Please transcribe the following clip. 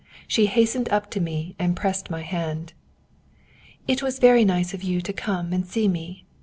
She hastened up to me and pressed my hand. "It was very nice of you to come and see me.